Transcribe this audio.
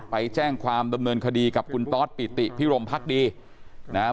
ไปแจ้งความดำเนินคดีกับคุณตอสปิติพิรมพักดีนะครับ